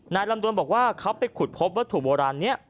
ลำดวนบอกว่าเขาไปขุดพบวัตถุโบราณนี้